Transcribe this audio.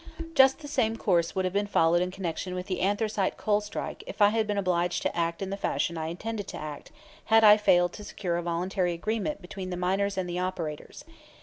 Just the same course would have been followed in connection with the Anthracite Coal Strike if I had been obliged to act in the fashion I intended to act had I failed to secure a voluntary agreement between the miners and the operators.